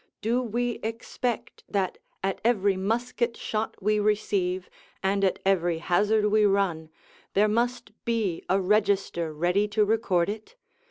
Do we expect that at every musket shot we receive, and at every hazard we run, there must be a register ready to record it?